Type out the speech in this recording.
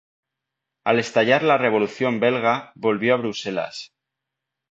Al estallar la Revolución belga, volvió a Bruselas.